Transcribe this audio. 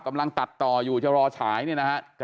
กำลังตัดต่ออยู่จะรอฉายเนี่ยนะฮะ